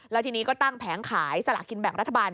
แล้วทีนี้ก็ตั้งแผงขายสลากกินแบ่งรัฐบาล